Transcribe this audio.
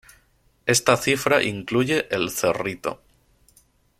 Esta cifra incluye El Cerrito.